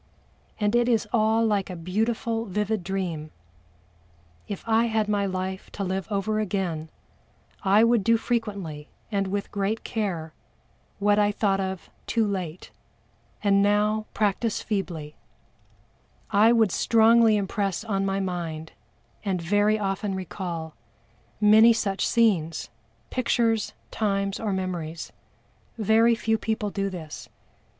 And it is all like a beautiful vivid dream. If I had my life to live over again I would do frequently and with great care, what I thought of too late, and now practice feebly I would strongly impress on my mind and very often recall, many such scenes, pictures, times or memories. Very few people do this.